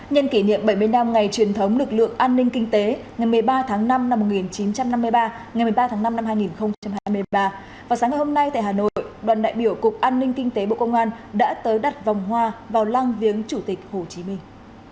nhân kỷ niệm bảy mươi năm ngày truyền thống lực lượng an ninh kinh tế ngày một mươi ba tháng năm năm một nghìn chín trăm năm mươi ba ngày một mươi ba tháng năm năm hai nghìn hai mươi ba vào sáng ngày hôm nay tại hà nội đoàn đại biểu cục an ninh kinh tế bộ công an đã tới đặt vòng hoa vào lăng viếng chủ tịch hồ chí minh